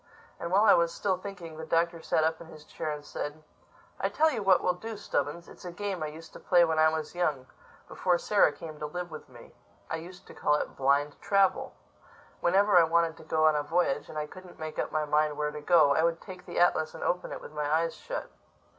And while I was still thinking, the Doctor sat up in his chair and said, "I tell you what we'll do, Stubbins: it's a game I used to play when I was young—before Sarah came to live with me. I used to call it Blind Travel. Whenever I wanted to go on a voyage, and I couldn't make up my mind where to go, I would take the atlas and open it with my eyes shut.